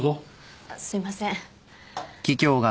あっすいません。